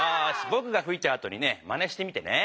ぼくがふいたあとにねまねしてみてね。